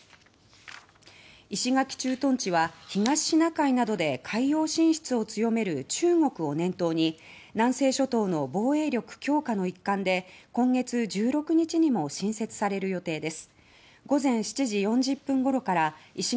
石垣駐屯地は東シナ海などで海洋進出を強める中国を念頭に南西諸島の防衛力強化の一環で今月１６日にも新設される予定です。